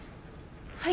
はい。